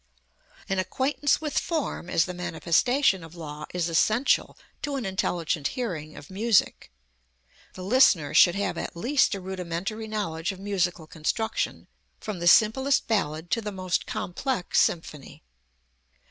An acquaintance with form as the manifestation of law is essential to an intelligent hearing of music. The listener should have at least a rudimentary knowledge of musical construction from the simplest ballad to the most complex symphony.